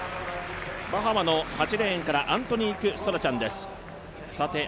バハマの８レーンから、アントニーク・ストラチャンです。